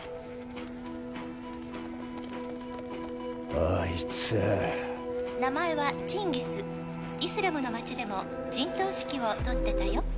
あいつ「名前はチンギス」「イスラムの街でも陣頭指揮を執ってたよ」